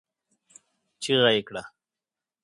چيغه يې کړه!